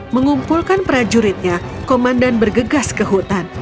mengumpulkan prajuritnya komandan bergegas ke hutan